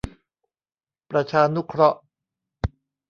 ประชานุเคราะห์